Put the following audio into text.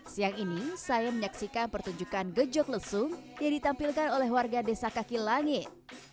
siang ini saya menyaksikan pertunjukan gejok lesung yang ditampilkan oleh warga desa kaki langit